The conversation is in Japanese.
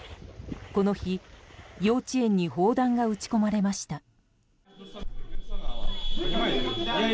この日、幼稚園に砲弾が撃ち込まれました。